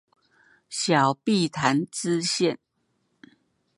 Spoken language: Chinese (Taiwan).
小碧潭支線